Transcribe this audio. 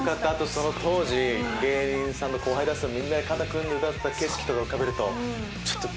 その当時芸人さんの後輩たちとみんなで肩組んで歌った景色とか浮かべると。